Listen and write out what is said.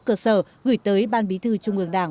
cơ sở gửi tới ban bí thư trung ương đảng